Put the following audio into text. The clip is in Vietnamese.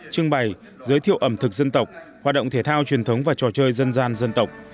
trưng bày giới thiệu ẩm thực dân tộc hoạt động thể thao truyền thống và trò chơi dân gian dân tộc